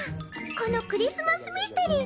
このクリスマスミステリー